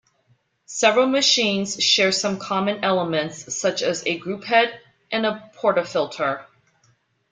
Several machines share some common elements, such as a grouphead and a portafilter.